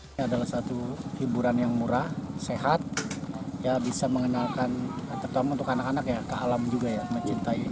ini adalah satu hiburan yang murah sehat ya bisa mengenalkan terutama untuk anak anak ya ke alam juga ya mencintai